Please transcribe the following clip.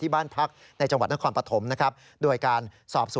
ที่บ้านพรรคในจังหวัดนครปภนะครับ